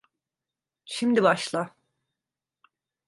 Şimdi başla.